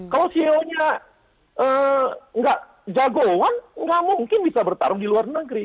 kalau ceo nya nggak jagoan nggak mungkin bisa bertarung di luar negeri